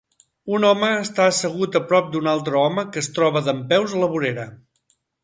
Un home està assegut a prop d'un altre home que es troba dempeus a la vorera.